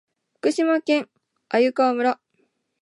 福島県鮫川村